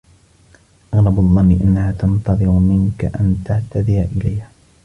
أغلب الظن أنها تنتظر منك أن تعتذر إليها.